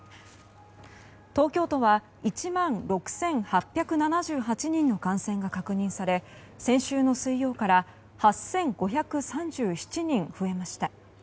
東京都は１万６８７８人の感染が確認され先週の水曜から８５３７人増えました。